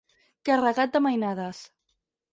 Carregat de mainades.